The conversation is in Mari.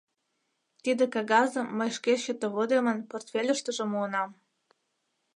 Тиде кагазым мый шке счетоводемын портфельыштыже муынам.